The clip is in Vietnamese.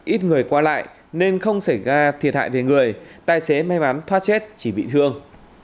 ít người qua lại nên không xảy ra thiệt hại về người tài xế may mắn thoát chết chỉ bị thương